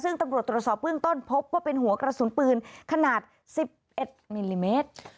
ซึ่งตำรวจตรวจสอบเบื้องต้นพบว่าเป็นหัวกระสุนปืนขนาด๑๑มิลลิเมตร